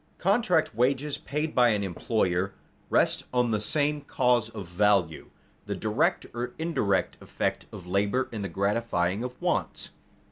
_Contract wages, paid by an employer, rest on the same cause of value, the direct or indirect effect of labor in the gratifying of wants.